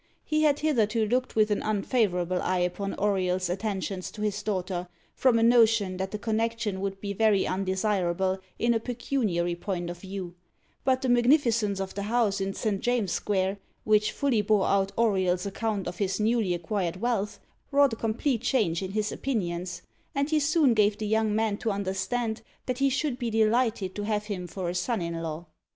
He had hitherto looked with an unfavourable eye upon Auriol's attentions to his daughter, from a notion that the connection would be very undesirable in a pecuniary point of view; but the magnificence of the house in Saint James's Square, which fully bore out Auriol's account of his newly acquired wealth, wrought a complete change in his opinions, and he soon gave the young man to understand that he should be delighted to have him for a son in law.